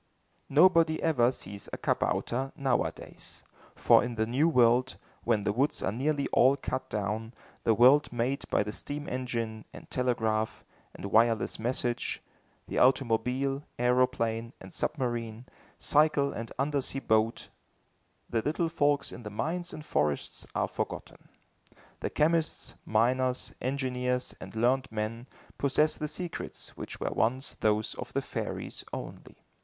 Nobody ever sees a kabouter nowadays, for in the new world, when the woods are nearly all cut down, the world made by the steam engine, and telegraph, and wireless message, the automobile, aeroplane and submarine, cycle and under sea boat, the little folks in the mines and forests are forgotten. The chemists, miners, engineers and learned men possess the secrets which were once those of the fairies only.